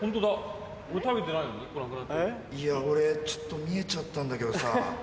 いや俺ちょっと見えちゃったんだけどさ。